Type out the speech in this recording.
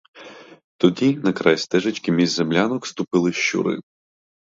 Тоді на край стежечки між землянок ступили щури.